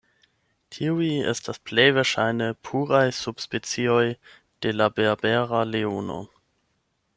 Tiuj estas plej verŝajne puraj subspecioj de la berbera leono.